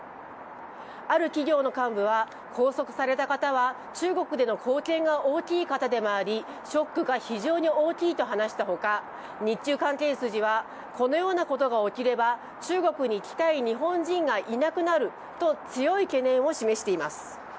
ある企業の幹部は拘束された方は中国での貢献が大きい方でもありショックが非常に大きいと話したほか日中関係筋は、このようなことが起きれば中国に行きたい日本人がいなくなると強い懸念を示しています。